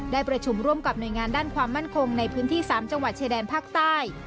ได้ประชุมร่วมกับหน่วยงานด้านความมั่นคงในพื้นที่๓จังหวัดชายแดนภาคใต้